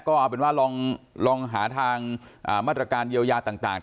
ก็เอาเป็นว่าลองหาทางมาตรการเยียวยาต่าง